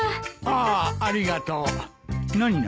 ああありがとう。何何？